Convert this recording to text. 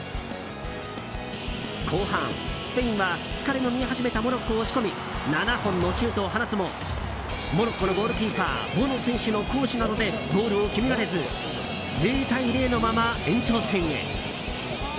後半、スペインは疲れの見え始めたモロッコを押し込み７本のシュートを放つもモロッコのゴールキーパーボノ選手の堅守などでゴールを決められず０対０のまま延長戦へ。